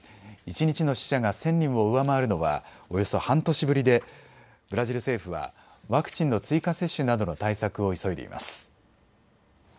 一日の死者が１０００人を上回るのはおよそ半年ぶりでブラジル政府はワクチンの追加接種などの対策を急いでいます。